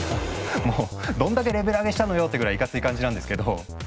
どんだけレベル上げしたのよってぐらいいかつい感じなんですけど。